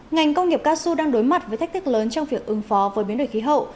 ngành công nghiệp cao su đang đối mặt với thách thức lớn trong việc ứng phó với biến đổi khí hậu